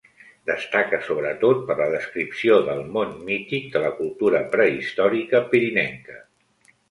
Destaca sobretot per la descripció del món mític de la cultura prehistòrica pirinenca.